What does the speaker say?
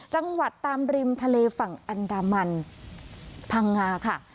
จังหวัดตามริมทะเลฝั่งอันดามันพังงาค่ะ